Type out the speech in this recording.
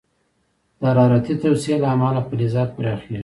د حرارتي توسعې له امله فلزات پراخېږي.